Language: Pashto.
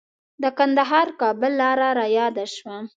د کندهار-کابل لاره رایاده شوه.